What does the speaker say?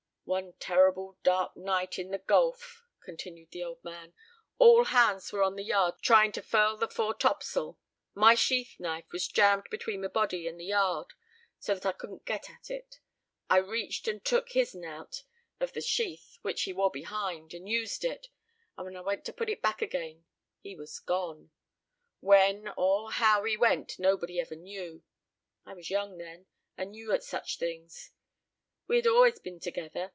"One terrible dark night, in the Gulf," continued the old man, "all hands were on the yard trying to furl the fore topsail; my sheath knife was jammed between my body and the yard, so that I couldn't get at it; I reached and took his'n out of the sheath, which he wore behind, and used it; but when I went to put it back again, he was gone; when or how he went, nobody ever knew. I was young then, and new at such things. We had allers been together.